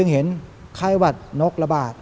เห็นไข้หวัดนกระบาด